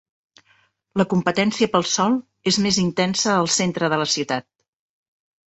La competència pel sòl és més intensa al centre de la ciutat.